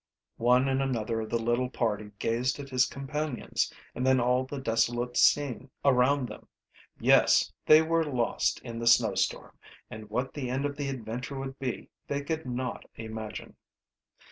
One and another of the little party gazed at his companions and then at the desolate scene around them. Yes, they were lost in the snowstorm, and what the end of the adventure would be they could not imagine.